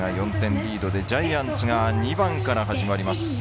リードジャイアンツが２番から始まります。